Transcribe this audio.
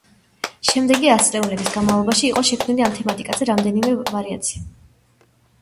შემდეგი ასწლეულების განმავლობაში იყო შექმნილი ამ თემატიკაზე რამდენიმე ვარიაცია.